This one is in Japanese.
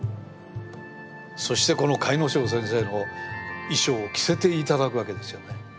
そしてこの甲斐荘先生の衣装を着せて頂くわけですよね。